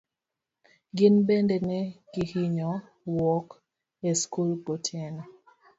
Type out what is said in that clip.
Gin bende ne gihinyo wuok e skul gotieno.